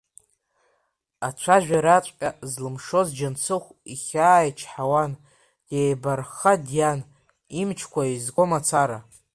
Ацәажәараҵәҟьа злымшоз Џьансыхә ихьаа ичҳауан, деибархха диан, имчқәа еизго мацара.